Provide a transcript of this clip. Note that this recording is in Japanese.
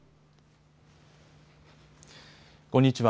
こんにちは。